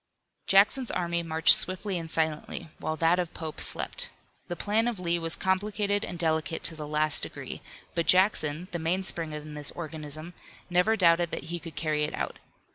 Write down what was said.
Jackson's army marched swiftly and silently, while that of Pope slept. The plan of Lee was complicated and delicate to the last degree, but Jackson, the mainspring in this organism, never doubted that he could carry it out.